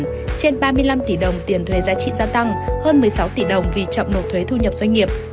trên ba mươi năm tỷ đồng tiền thuế giá trị gia tăng hơn một mươi sáu tỷ đồng vì chậm nộp thuế thu nhập doanh nghiệp